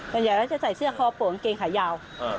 ส่วนใหญ่แล้วจะใส่เสื้อคอปวกกางเกงขายาว